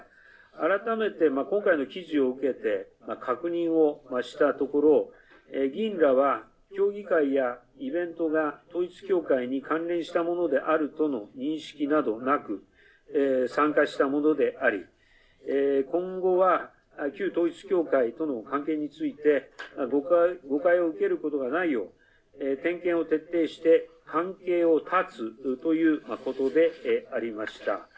改めて、今回の記事を受けて確認をしたところ議員らは協議会やイベントが統一教会に関連したものであるとの認識などなく参加したものであり今後は旧統一教会との関係について僕が誤解を受けることがないよう点検を徹底して関係を絶つということでありました。